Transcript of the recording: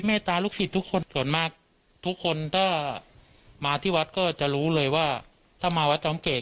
ตาลูกศิษย์ทุกคนส่วนมากทุกคนถ้ามาที่วัดก็จะรู้เลยว่าถ้ามาวัดจอมเกต